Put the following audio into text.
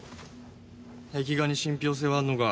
壁画に信憑性はあんのか？